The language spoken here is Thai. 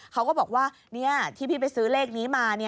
เขาก็บอกว่าที่พี่ไปซื้อเลขนี้มา